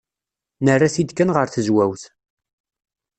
Nerra-t-id kan ɣer tezwawt.